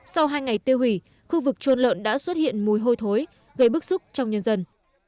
sau hai ngày tiêu hủy khu vực trôn lợn đã xuất hiện mùi hôi thối gây bức xúc trong nhân dân